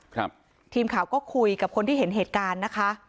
ครับทีมข่าวก็คุยกับคนที่เห็นเหตุการณ์นะคะ